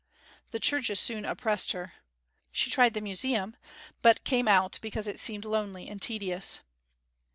The churches soon oppressed her. She tried the Museum, but came out because it seemed lonely and tedious.